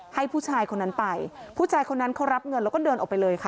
ให้ผู้ชายคนนั้นไปผู้ชายคนนั้นเขารับเงินแล้วก็เดินออกไปเลยค่ะ